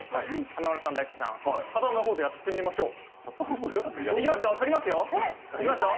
華丸さん、大吉さん片思いハートやってみましょう。